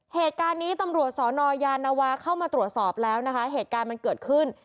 เหตุการณ์นี้ตำรวจสอนอยานวาเข้ามาตรวจสอบแล้วนะคะเหตุการณ์มันเกิดขึ้น